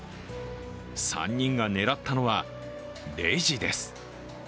３人が狙ったのはレジです。